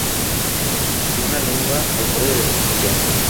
Con una lengua al borde de la extinción.